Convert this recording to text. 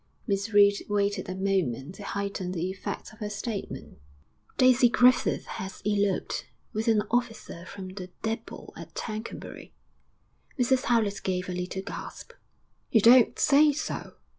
Miss Reed waited a moment to heighten the effect of her statement. 'Daisy Griffith has eloped with an officer from the dépôt at Tercanbury.' Mrs Howlett gave a little gasp. 'You don't say so!'